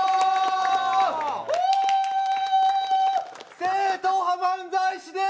正統派漫才師です！